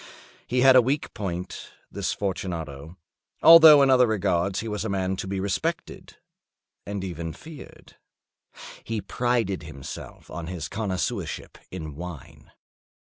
He had a weak point—this Fortunato—although in other regards he was a man to be respected and even feared. He prided himself on his connoisseurship in wine.